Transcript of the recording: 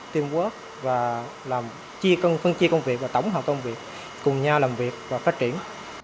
teamwork và làm chia phân chia công việc và tổng hợp công việc cùng nhau làm việc và phát triển